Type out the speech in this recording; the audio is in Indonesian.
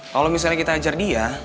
kalo misalnya kita ajar dia